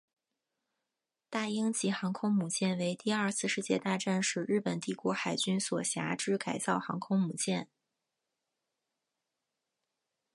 大鹰级航空母舰为第二次世界大战时日本帝国海军所辖之改造航空母舰。